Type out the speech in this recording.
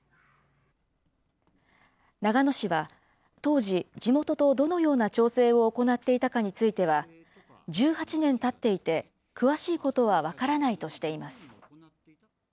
長野市は、当時、地元とどのような調整を行っていたかについては、１８年たっていて、詳しいことは分からないとしています。